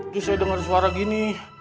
terus saya dengar suara gini